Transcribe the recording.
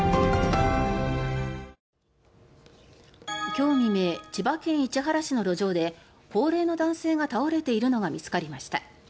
今日未明千葉県市原市の路上で高齢の男性が倒れているのが見つかりました。